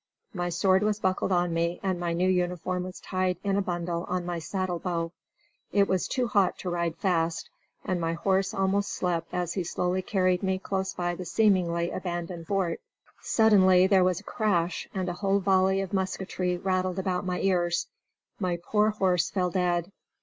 My sword was buckled on me and my new uniform was tied in a bundle on my saddle bow. It was too hot to ride fast, and my horse almost slept as he slowly carried me close by the seemingly abandoned fort. Suddenly there was a crash and a whole volley of musketry rattled about my ears. My poor horse fell dead.